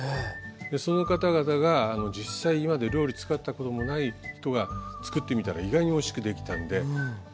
その方々が実際今まで料理作ったこともない人が作ってみたら意外においしくできたんで答え合わせに来てくれるという。